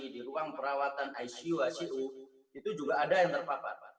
di ruang perawatan icu icu itu juga ada yang terpapar